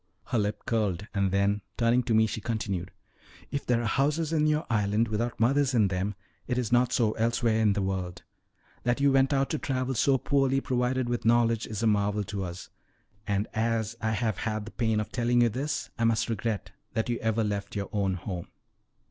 Her lip curled, and then, turning to me, she continued: "If there are houses in your island without mothers in them, it is not so elsewhere in the world. That you went out to travel so poorly provided with knowledge is a marvel to us; and as I have had the pain of telling you this, I must regret that you ever left your own home."